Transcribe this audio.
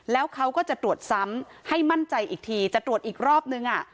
แล้วเขาก็จะตรวจซ้ำให้มั่นใจอีกทีจะตรวจอีกรอบนึง